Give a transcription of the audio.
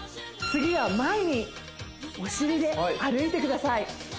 次は前にお尻で歩いてください